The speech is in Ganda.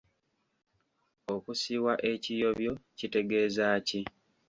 Okusiwa ekiyobyo kitegeeza ki?